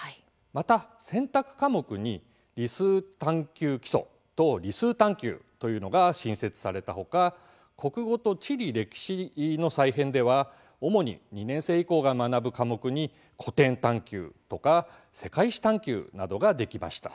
また、選択科目に理数探究基礎と理数探究が新設されたほか国語と地理歴史の再編では主に２年生以降が学ぶ科目に古典探究とか世界史探究などができました。